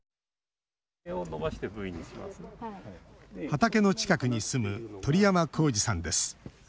畑の近くに住む鳥山耕史さんです。